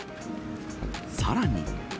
さらに。